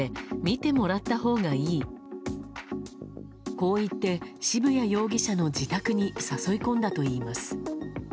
こう言って渋谷容疑者の自宅に誘い込んだといいます。